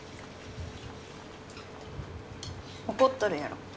怒っとるやろ